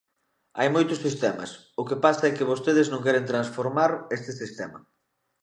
Hai moitos sistemas, o que pasa é que vostedes non queren transformar este sistema.